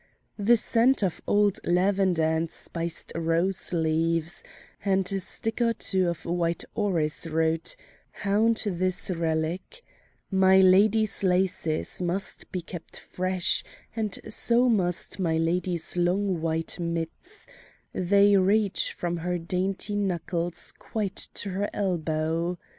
The scent of old lavender and spiced rose leaves, and a stick or two of white orris root, haunt this relic: my lady's laces must be kept fresh, and so must my lady's long white mitts they reach from her dainty knuckles quite to her elbow.